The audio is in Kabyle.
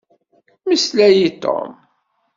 Mmeslay i Tom.